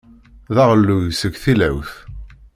D aɣelluy seg tilawt.